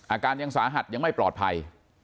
อาการยังสาหัสยังไม่ปลอดภัย